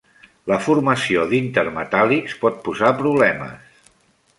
La formació d'intermetàl·lics pot posar problemes.